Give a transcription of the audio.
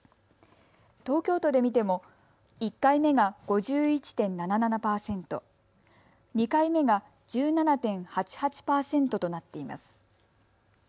東京都で見ても１回目が５１．７７％、２回目が１７．８８％となっています。